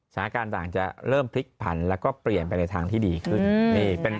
สถานการณ์ต่างจะเริ่มพลิกผันแล้วก็เปลี่ยนไปในทางที่ดีขึ้น